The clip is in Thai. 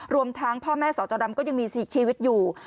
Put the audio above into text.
รวมทั้งพ่อแม่สอจอดำก็ยังมีชีวิตอยู่